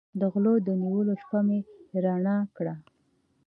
د غلو د نیولو شپه مې رڼه کړه.